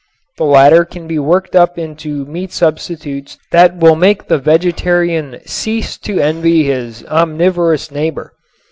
The latter can be worked up into meat substitutes that will make the vegetarian cease to envy his omnivorous neighbor.